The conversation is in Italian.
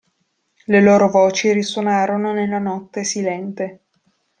Le loro voci risuonarono nella notte silente.